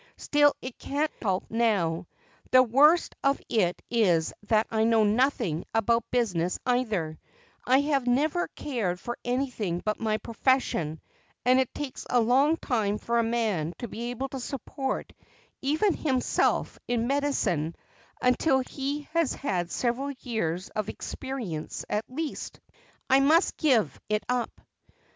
Still it can't be helped now. But the worst of it is that I know nothing about business either; I have never cared for anything but my profession and it takes a long time for a man to be able to support even himself in medicine until he has had several years of experience at least. I must give it up."